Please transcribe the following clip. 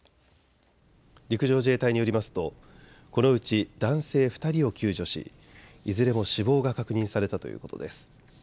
陸上自衛隊によりますとこのうち男性２人を救助しいずれも死亡が確認されたということです。